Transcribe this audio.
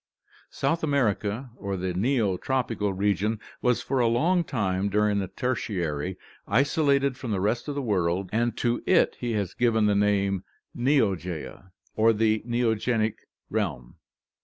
South America or the Neotropical region was for a long time during the Tertiary isolated from the rest of the world and to it he has given the name Neogaea or the Neogaeic realm.